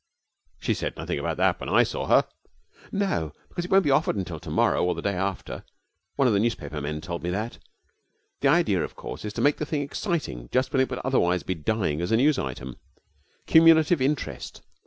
'She said nothing about that when I saw her.' 'No, because it won't be offered until to morrow or the day after. One of the newspaper men told me that. The idea is, of course, to make the thing exciting just when it would otherwise be dying as a news item. Cumulative interest.